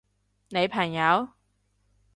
你朋友？